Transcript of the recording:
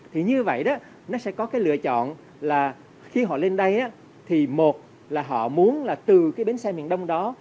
thì như vậy đó nó sẽ có cái lựa chọn là khi họ lên đây thì một là họ muốn là từ cái bến xe miền đông đó